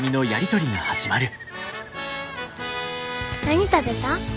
「何食べた？